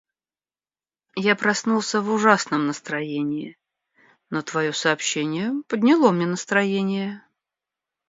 Я проснулся в ужасном настроении, но твое сообщение подняло мне настроение.